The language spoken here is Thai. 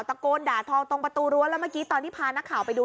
ตะโกนด่าทองตรงประตูรั้วแล้วเมื่อกี้ตอนที่พานักข่าวไปดู